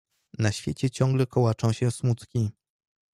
"Na świecie ciągle kołaczą się smutki."